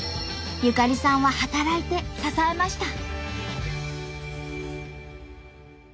ゆかりさんは働いて支えました。